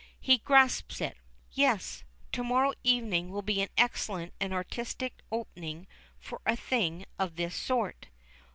He grasps it. Yes, to morrow evening will be an excellent and artistic opening for a thing of this sort.